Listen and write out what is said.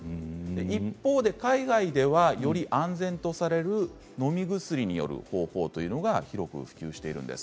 一方で海外ではより安全とされるのみ薬による方法というのが広く普及しているんです。